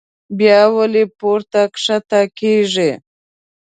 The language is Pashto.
بيا ولې پورته کښته کيږي